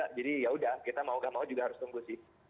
jadi ya udah kita mau gak mau juga harus sembuh sih